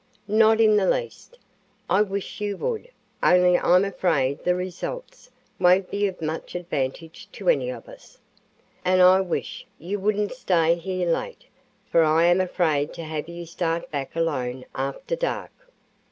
"Not in the least. I wish you would, only I'm afraid the results won't be of much advantage to any of us. And I wish you wouldn't stay here late, for I am afraid to have you start back alone after dark."